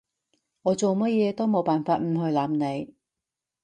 我做咩嘢都冇辦法唔去諗你